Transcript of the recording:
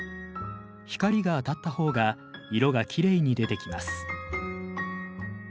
光が当たった方が色がきれいに出てきます。